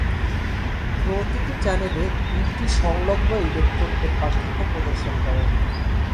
প্রতিটি চ্যানেল দুইটি সংলগ্ন ইলেক্ট্রোড এর পার্থক্য প্রদর্শন করে।